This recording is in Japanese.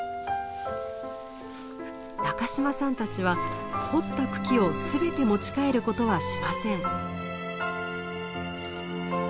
中島さんたちは掘った茎を全て持ち帰ることはしません。